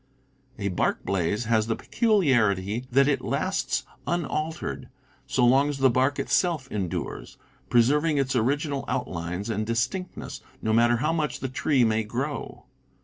A bark blaze has the peculiarity that it lasts unaltered, so long as the bark itself endures, preserving its original out lines and distinctness, no matter how much the tree may grow.